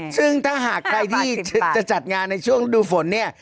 ซึ่งถ้าหากใครที่จะจัดงานในช่วงฤดูฝนเนี่ย